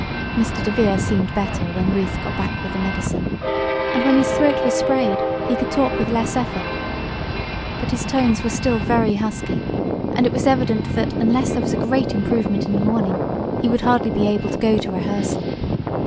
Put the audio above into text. Mr. DeVere seemed better when Ruth got back with the medicine. And when his throat was sprayed he could talk with less effort. But his tones were still very husky, and it was evident that unless there was a great improvement in the morning he would hardly be able to go to rehearsal.